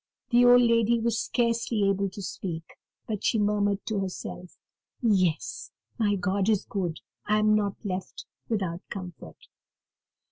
The old lady was scarcely able to speak, but she murmured to herself: "Yes, my God is good, I am not left without comfort."